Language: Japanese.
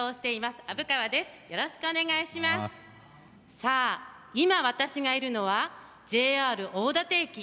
さあ、今、私がいるのはＪＲ大館駅。